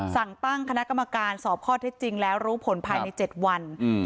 สั่งตั้งคณะกรรมการสอบข้อเท็จจริงแล้วรู้ผลภายใน๗วัน